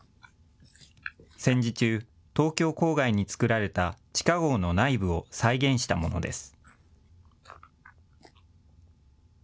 戦時中、東京郊外に作られた地下ごうの内部を再現したものです。